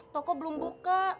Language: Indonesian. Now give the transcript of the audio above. toko belum buka